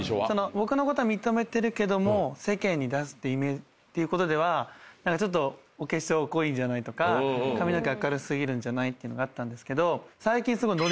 僕のことは認めてるけども世間に出すっていうことではお化粧濃いんじゃない？とか髪の毛明る過ぎるんじゃない？っていうのがあったんですけど。